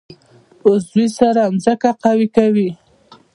عضوي سره ځمکه قوي کوي.